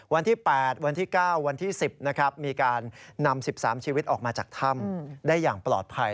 วันที่๘๙๑๐มีการนำ๑๓ชีวิตออกมาจากถ้ำได้อย่างปลอดภัย